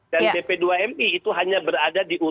dan bp dua mi itu hanya berada di